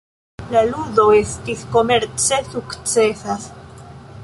La ludo estis komerce sukcesas.